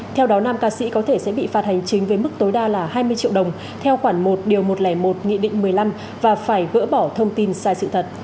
theo đó nam ca sĩ có thể sẽ bị phạt hành chính với mức tối đa là hai mươi triệu đồng theo khoản một điều một trăm linh một nghị định một mươi năm và phải gỡ bỏ thông tin sai sự thật